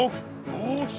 よし。